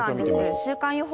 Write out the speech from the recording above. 週間予報。